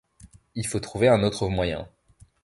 Il faut trouver un autre moyen.